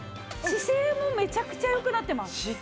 姿勢もめちゃくちゃ良くなってます。